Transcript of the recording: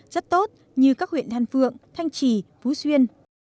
rất tốt như các huyện đan phượng thành trì vũ xuyên